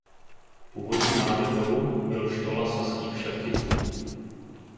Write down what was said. Původní název dolu byl Štola saských šlechticů.